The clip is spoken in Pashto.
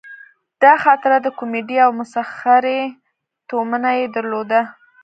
دا خاطره د کومیډي او مسخرې تومنه یې درلوده.